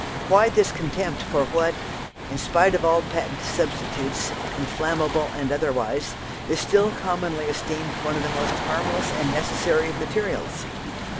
Why this contempt for what, in spite of all patent substitutes, inflammable and otherwise, is still commonly esteemed one of the most harmless and necessary of materials?